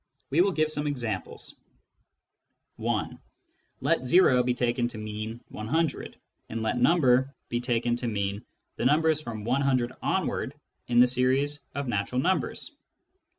We will give some examples. (1) Let " o " be taken to mean 100, and let " number " be taken to mean the numbers from 100 onward in the series of natural numbers.